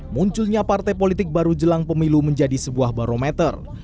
munculnya partai politik baru jelang pemilu menjadi sebuah barometer